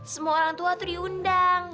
semua orang tua itu diundang